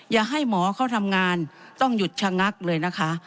อย่าให้หมอเขาทำงานต้องหยุดชะงักเลยนะคะ